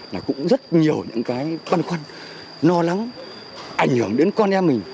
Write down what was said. là cũng rất nhiều những cái băn khoăn lo lắng ảnh hưởng đến con em mình